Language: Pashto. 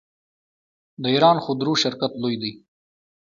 د ایران خودرو شرکت لوی دی.